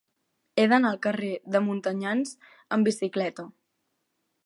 He d'anar al carrer de Montanyans amb bicicleta.